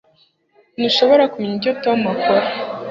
Ntushobora kumenya icyo Tom akora